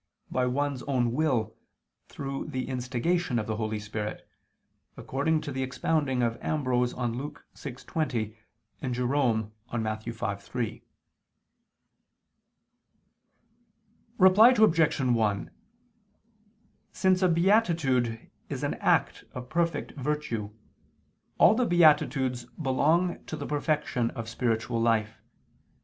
by one's own will, through the instigation of the Holy Spirit, according to the expounding of Ambrose on Luke 6:20 and Jerome on Matt. 5:3. Reply Obj. 1: Since a beatitude is an act of perfect virtue, all the beatitudes belong to the perfection of spiritual life.